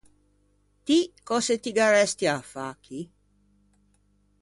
Ti cöse ti gh’arresti à fâ chì?